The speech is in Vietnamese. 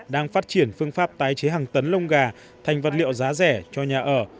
đang phát triển phương pháp tái chế hàng tấn lông gà thành vật liệu giá rẻ cho nhà ở